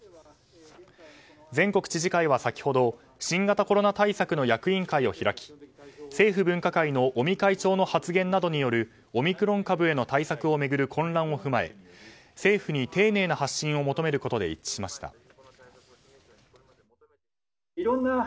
全国知事会は先ほど新型コロナ対策の役員会を開き政府分科会の尾身会長の発言などによるオミクロン株への対策を巡る混乱を踏まえ政府に丁寧な発信を求めることで一致しました。